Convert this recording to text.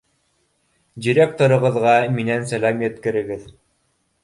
— Директорығыҙға минән сәләм еткерегеҙ.